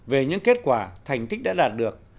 về những kết quả thành tích đã đạt được